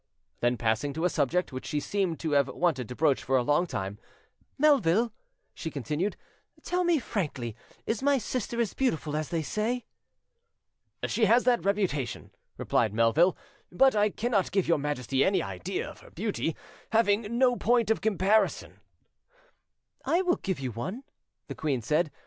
Then passing to a subject which she seemed to have wanted to broach for a long time, "Melville," she continued, "tell me frankly, is my sister as beautiful as they say?" "She has that reputation," replied Melville; "but I cannot give your Majesty any idea of hex beauty, having no point of comparison." "I will give you one," the queen said.